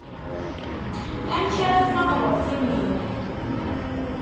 Amek ara tnaqleḍ timmi-m.